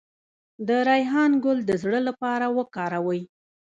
د ریحان ګل د زړه لپاره وکاروئ